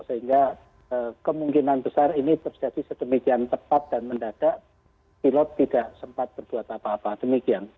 sehingga kemungkinan besar ini terjadi sedemikian cepat dan mendadak pilot tidak sempat berbuat apa apa demikian